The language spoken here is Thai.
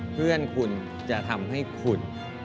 เพื่อนคุณจะทำให้คุณ